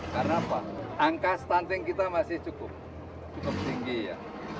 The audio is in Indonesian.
karena apa angka stunting kita masih cukup cukup tinggi ya